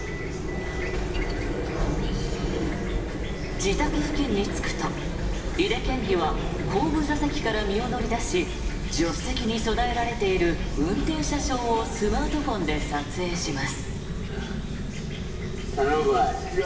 自宅付近に着くと、井手県議は後部座席から身を乗り出し助手席に備えられている運転者証をスマートフォンで撮影します。